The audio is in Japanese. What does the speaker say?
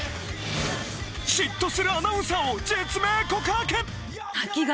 嫉妬するアナウンサーを実名告白！